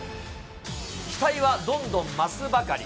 期待はどんどん増すばかり。